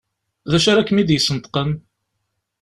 D acu ara kem-id-yesneṭqen?